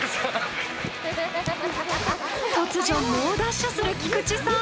突如猛ダッシュする菊池さん。